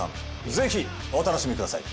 ぜひお楽しみください